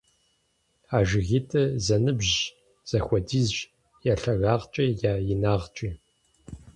А жыгитӏыр зэныбжьщ, зэхуэдизщ я лъагагъкӀи я инагъкӀи.